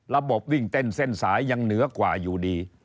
วิ่งเต้นเส้นสายยังเหนือกว่าอยู่ดี